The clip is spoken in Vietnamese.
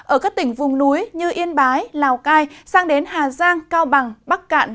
ở các tỉnh vùng núi như yên bái lào cai sang đến hà giang cao bằng bắc cạn